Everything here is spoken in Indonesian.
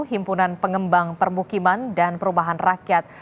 himpunan pengembang permukiman dan perumahan rakyat